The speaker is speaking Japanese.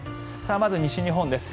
まず、西日本です。